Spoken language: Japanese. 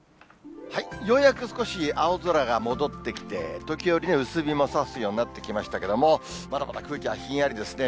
ようやく少し青空が戻ってきて、時折、薄日もさすようになってきましたけれども、まだまだ空気はひんやりですね。